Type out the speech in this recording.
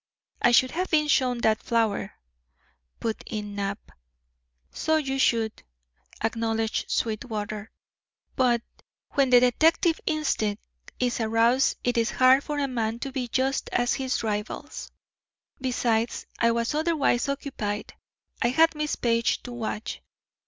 "I should have been shown that flower," put in Knapp. "So you should," acknowledged Sweetwater, "but when the detective instinct is aroused it is hard for a man to be just to his rivals; besides, I was otherwise occupied. I had Miss Page to watch.